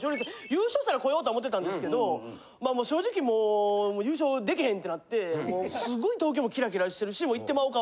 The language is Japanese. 優勝したら来ようとは思てたんですけどまあまあ正直もう優勝できへん！ってなってもう凄い東京もキラキラしてるしもう行ってまおうか！